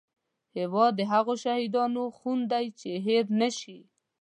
هیواد د هغو شهیدانو خون دی چې هېر نه شي